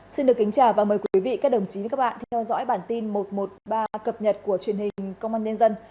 xin được kính chào và mời quý vị các đồng chí với các bạn theo dõi bản tin một trăm một mươi ba cập nhật của truyền hình công an nhân dân